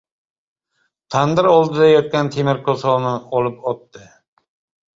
Tandir oldida yotmish temir kosovni olib otdi.